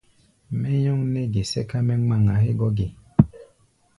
Mɛ́ nyɔ́ŋ nɛ́ ge sɛ́ká mɛ́ ŋmaŋa hégɔ́ ge?